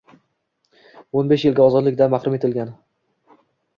O'n besh yilga ozodlikdan mahrum etilgan.